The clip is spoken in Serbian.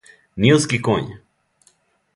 Нилски коњ